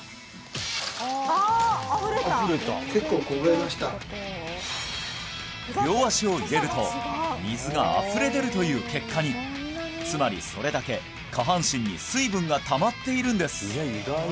結構こぼれました両足を入れると水があふれ出るという結果につまりそれだけ下半身に水分がたまっているんです